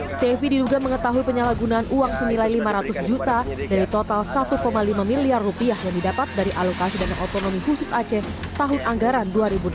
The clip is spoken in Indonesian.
stefi diduga mengetahui penyalahgunaan uang senilai lima ratus juta dari total satu lima miliar rupiah yang didapat dari alokasi dana otonomi khusus aceh tahun anggaran dua ribu delapan belas